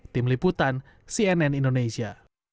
tim liputan cnn indonesia